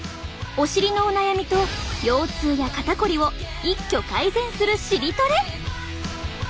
お尻のお悩みと腰痛や肩こりを一挙改善する尻トレ！